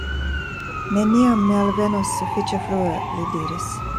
Neniam mi alvenos sufiĉe frue, li diris.